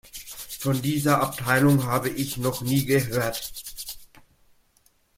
Von dieser Abteilung habe ich noch nie gehört.